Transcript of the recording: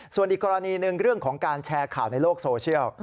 ส่วนอีกกรณีหนึ่งเรื่องของการแชร์ข่าวในโลกโซเชียล